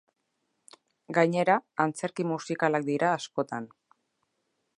Gainera, antzerki musikalak dira askotan.